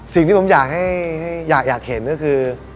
สิ่งที่ผมอยากเห็นก็คือ